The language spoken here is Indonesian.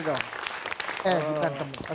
eh kita ketemu